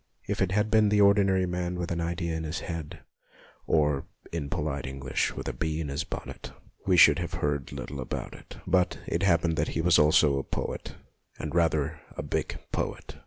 If it had been the ordinary man with an idea in his head, or, in polite English, with a bee in his bonnet, we should have heard little about it ; but it happened that he was also a poet, and rather a big poet.